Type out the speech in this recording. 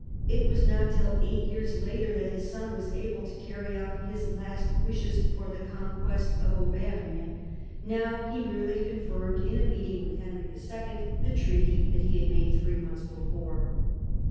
It was not till eight years later that his son was able to carry out his last wishes by the conquest of Auvergne. Now he merely confirmed in a meeting with Henry II. the treaty that he had made three months before.